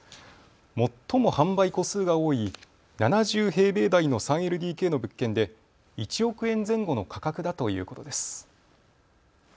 最も販売戸数が多い７０平米台の３ＬＤＫの物件で１億円前後の価格だということです。